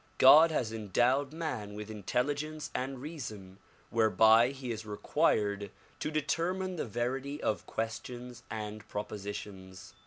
God has endowed man with intelligence and reason whereby he is required to determine the verity of questions and propositions.